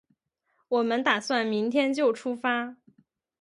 我们打算明天就出发